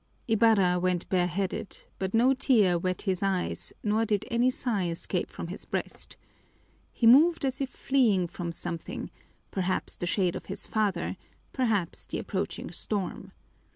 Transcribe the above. Ibarra went bareheaded, but no tear wet his eyes nor did any sigh escape from his breast. He moved as if fleeing from something, perhaps the shade of his father, perhaps the approaching storm.